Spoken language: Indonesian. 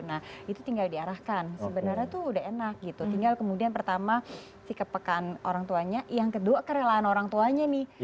nah itu tinggal diarahkan sebenarnya tuh udah enak gitu tinggal kemudian pertama si kepekaan orang tuanya yang kedua kerelaan orang tuanya nih